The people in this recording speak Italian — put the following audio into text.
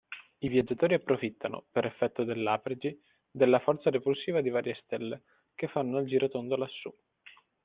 I viaggiatori approfittano, per effetto dell'apergy, della forza repulsiva di varie stelle, che fanno il girotondo lassù…